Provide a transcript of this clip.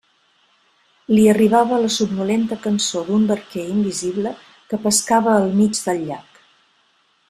Li arribava la somnolenta cançó d'un barquer invisible que pescava al mig del llac.